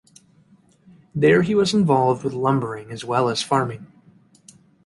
There he was involved with lumbering as well as farming.